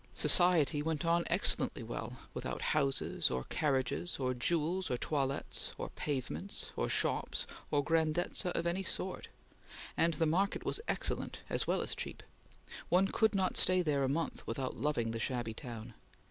Society went on excellently well without houses, or carriages, or jewels, or toilettes, or pavements, or shops, or grandezza of any sort; and the market was excellent as well as cheap. One could not stay there a month without loving the shabby town.